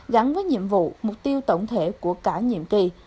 gắn với nhiệm vụ mục tiêu tổng thể của cả nhiệm kỳ